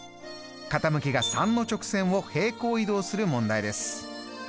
傾きが３の直線を平行移動する問題です。